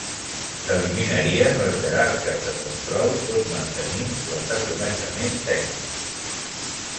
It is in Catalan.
S'eliminarien les jerarques de control, tot mantenint les de coneixement tècnic.